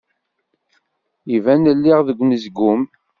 Iban lliɣ deg unezgum.